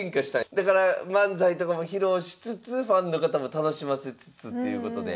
だから漫才とかも披露しつつファンの方も楽しませつつということで。